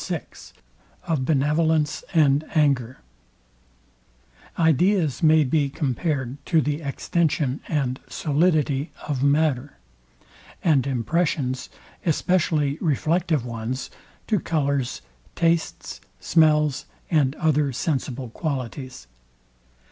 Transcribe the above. VI OF BENEVOLENCE AND ANGER Ideas may be compared to the extension and solidity of matter, and impressions, especially reflective ones, to colours, tastes, smells and other sensible qualities.